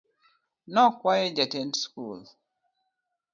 Nokwayo jatend skul.